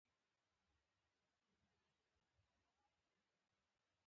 د زده کړې، علمي او فرهنګي چارو سازمان دی.